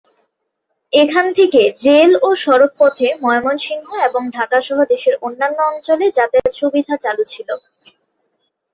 এখান থেকে রেল ও সড়ক পথে ময়মনসিংহ এবং ঢাকা সহ দেশের অন্যান্য অঞ্চলে যাতায়াত সুবিধা চালু ছিল।